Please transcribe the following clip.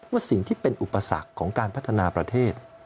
ว่าสิ่งที่เป็นอุปสรรคของการพัฒนาประเทศ